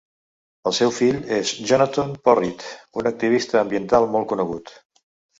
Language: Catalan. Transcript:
El seu fill és Jonathon Porritt, un activista ambiental molt conegut.